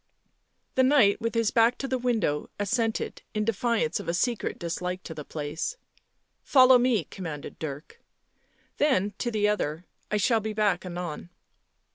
The Knight, with bis back to the window, assented, in defiance of a secret dislike to the place. '' Follow me," commanded Dirk, then to the other, " I shall be back anon."